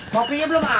kopinya belum mati